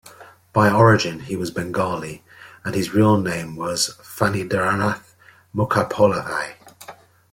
By origine he was bengali and his real name was Fanindranath Mukhopadhaya.